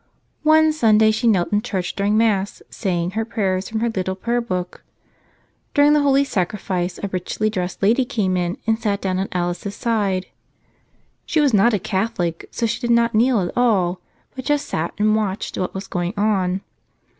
One Sunday she knelt in church during Mass, saying her prayers from her little pray erbook. During the Holy Sacrifice a richly dressed lady came in and sat down at Alice's side. She was not a Catholic, so she did not kneel at all, but just sat and watched what was going on.